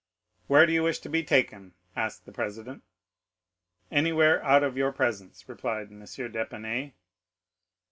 "Where do you wish to be taken?" asked the president.—"Anywhere out of your presence," replied M. d'Épinay.